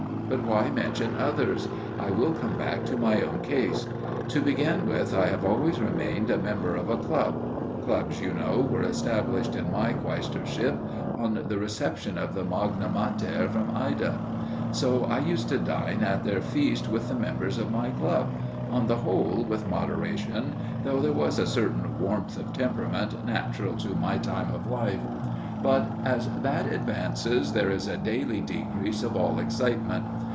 But why mention others? I will come back to my own case. To begin with, I have always remained a member of a "club" clubs, you know, were established in my quaestorship on the reception of the Magna Mater from Ida. So I used to dine at their feast with the members of my club on the whole with moderation, though there was a certain warmth of temperament natural to my time of life; but as that advances there is a daily decrease of all excitement.